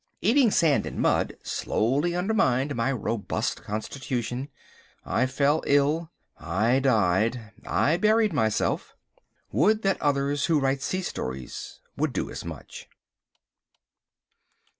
Eating sand and mud slowly undermined my robust constitution. I fell ill. I died. I buried myself. Would that others who write sea stories would do as much.